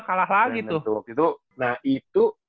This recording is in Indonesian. kalah lagi tuh nah itu